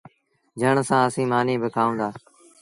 جھڻ سآݩ اسيٚݩ مآݩيٚ با کآئوݩ دآ۔